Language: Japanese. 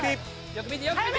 よく見てよく見て！